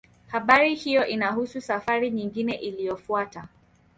Habari hiyo inahusu safari nyingine iliyofuata.